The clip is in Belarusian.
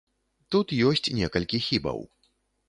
Тут ёсць некалькі хібаў.